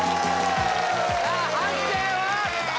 さあ判定は？